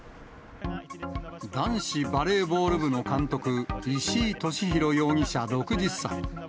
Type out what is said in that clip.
男子バレーボール部の監督、石井利広容疑者６０歳。